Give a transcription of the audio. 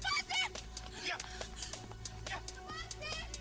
mau pasti lihat ayo ibu bujeng listeners